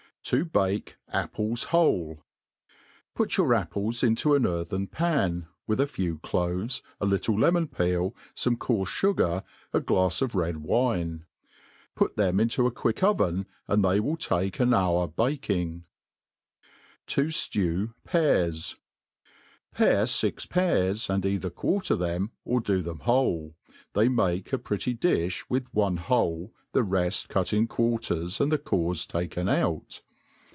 " To bake Apples whole* ,■,.,■ PUT your apples into an earthen pan, with a kw cloves, a little lemoivpeel, fome coarfe fugar, a glafs of red wine ; put them into a quick oveo> and they will take a(i hour baking. 7i MADE PLAIN ANDEASY. 167 t To Jiew Pears: PARE fix pears, and either quarter them or do them whole; lAey make a pretty difli with one whole, the reft cut in quar ters, and the cores taken out.